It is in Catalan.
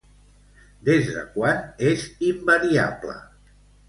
Des de quan és invariable?